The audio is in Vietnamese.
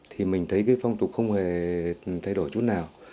thì mình thấy cái phong tục không hề thay đổi chút nào